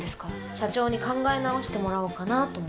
社長に考え直してもらおうかなと思って。